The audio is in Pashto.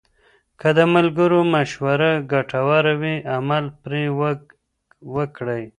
که د ملګرو مشوره ګټوره وي، عمل پرې وکړئ.